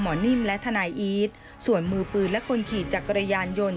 นิ่มและทนายอีทส่วนมือปืนและคนขี่จักรยานยนต์